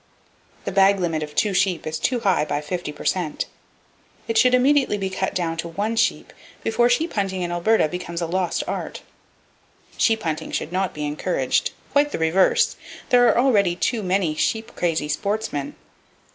The bag limit of two sheep is too high, by 50 per cent. It should immediately be cut down to one sheep, before sheep hunting in Alberta becomes a lost art. Sheep hunting should not be encouraged—quite the reverse! There are already too many sheep crazy sportsmen.